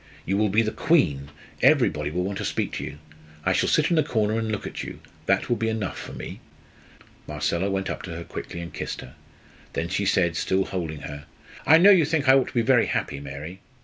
You will be the queen everybody will want to speak to you. I shall sit in a corner and look at you that will be enough for me." Marcella went up to her quickly and kissed her, then she said, still holding her "I know you think I ought to be very happy, Mary!"